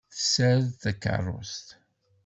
Tessared takeṛṛust.